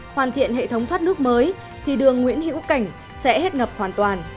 hoàn thiện hệ thống thoát nước mới thì đường nguyễn hữu cảnh sẽ hết ngập hoàn toàn